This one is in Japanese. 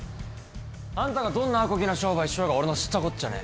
あんたがどんなアコギな商売しようが俺の知ったこっちゃねえ。